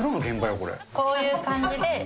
こういう感じで。